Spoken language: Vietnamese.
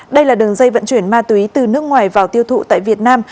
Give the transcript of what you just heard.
đây là đường dây vận chuyển ma túy từ nước ngoài vào tiêu thụ tại việt nam